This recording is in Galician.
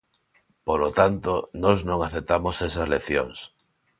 Polo tanto, nós non aceptamos esas leccións.